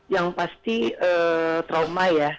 yang pasti trauma ya